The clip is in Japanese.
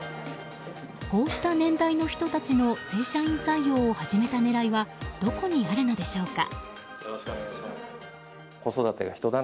こうした年代の人たちの正社員採用を始めた狙いはどこにあるのでしょうか。